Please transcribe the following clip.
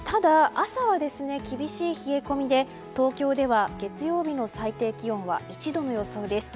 朝は厳しい冷え込みで東京では月曜日の最低気温は１度の予想です。